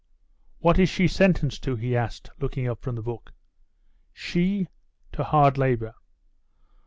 "What is she sentenced to?" he asked, looking up from the book. "She? To hard labour."